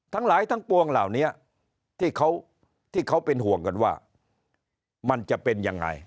ทั้งหลายทั้งปวงเหล่านี้ที่เขาเป็นห่วงกันว่ามันจะเป็นยังไง